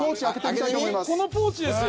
このポーチですよ。